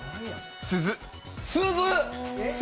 鈴。